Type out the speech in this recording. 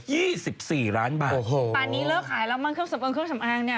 ตอนนี้เลิกขายแล้วมั่งเครื่องสะเบิงเครื่องสำอาง